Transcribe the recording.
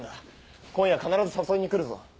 今夜必ず誘いに来るぞ。